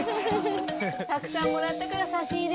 たくさんもらったから差し入れ。